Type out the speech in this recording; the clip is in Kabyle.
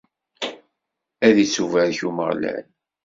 Ad ittubarek Umeɣlal.